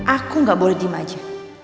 aku gak boleh diem aja